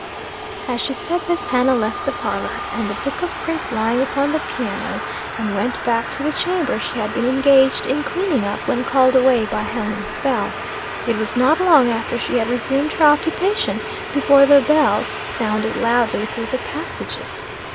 As she said this Hannah left the parlor, and the book of prints lying upon the piano, and went back to the chamber she had been engaged in cleaning up when called away by Helen's bell. It was not long after she had resumed her occupation, before the bell sounded loudly through the passages.